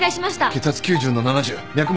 血圧９０の７０。